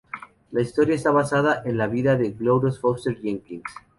La historia está basada en la vida de Glorious Fuster Jenkins.